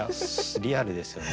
リアルですよね。